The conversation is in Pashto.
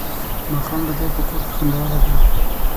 ماښام ډوډۍ په کور کې خوندوره ده.